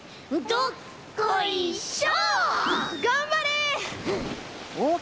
どっこいしょ！